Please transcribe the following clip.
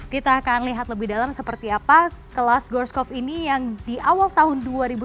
kita akan lihat lebih dalam seperti apa kelas gorscov ini yang di awal tahun dua ribu sembilan belas